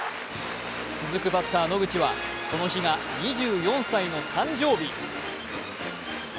続くバッター・野口はこの日が２４歳の誕生日。